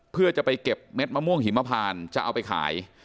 เพื่อจะไปเก็บเม็ดมะม่วงหิมพานจะเอาไปขาย